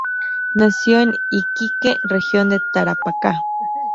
Nació en Iquique, Región de Tarapacá.